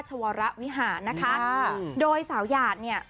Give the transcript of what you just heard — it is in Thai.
จากสมเผ็ดพ